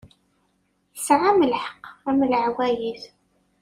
Tesɛam lḥeqq, am leɛwayed.